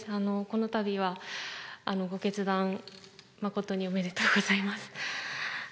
このたびはご決断、誠におめでとうございます。